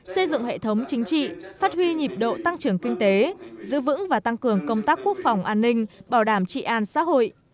xây dựng hệ thống chính trị phát huy nhịp độ tăng trưởng kinh tế giữ vững và tăng cường công tác quốc phòng an ninh bảo đảm trị an xã hội